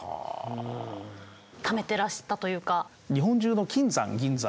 ためてらしたというか。